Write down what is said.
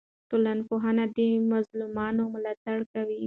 ټولنپوهنه د مظلومانو ملاتړ کوي.